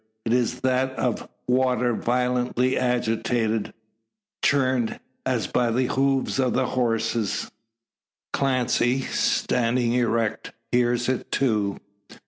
It is that of water violently agitated churned, as by the hooves of horses. Clancy, standing erect, hears it, too.